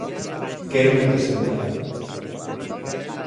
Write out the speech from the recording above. Quérome presentar.